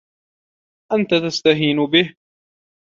أنت تستهين به.